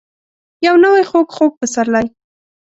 یو نوی خوږ. خوږ پسرلی ،